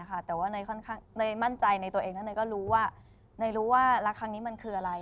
แต่ว่าเนยมั่นใจในตัวเองแล้วเนยก็รู้ว่าเนยรู้ว่ารักครั้งนี้มันคืออะไร